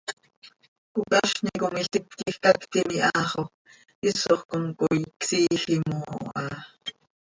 Cocazni com ilít quij cactim iha xo isoj com cói csiijim oo ha.